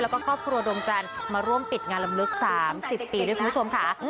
แล้วก็ครอบครัวดวงจันทร์มาร่วมปิดงานลำลึก๓๐ปีด้วยคุณผู้ชมค่ะ